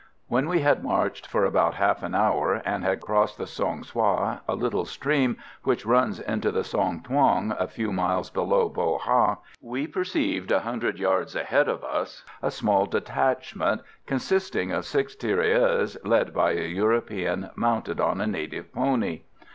When we had marched for about half an hour and had crossed the Song Soï, a little stream which runs into the Song Thuong a few miles below Bo Ha, we perceived, a hundred yards ahead of us, a small detachment, consisting of six tirailleurs, led by a European mounted on a native pony.